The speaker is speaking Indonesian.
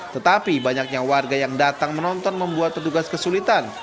tetapi banyaknya warga yang datang menonton membuat petugas kesulitan